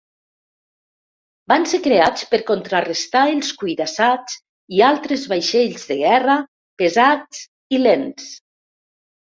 Van ser creats per contrarestar els cuirassats i altres vaixells de guerra pesats i lents.